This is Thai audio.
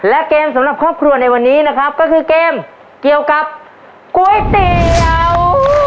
และเกมสำหรับครอบครัวในวันนี้นะครับก็คือเกมเกี่ยวกับก๋วยเตี๋ยว